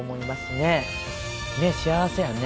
ねっ幸せやね？